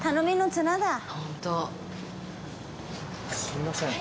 すいません。